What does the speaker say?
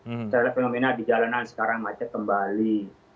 terhadap fenomena di jalanan sekarang macet kembali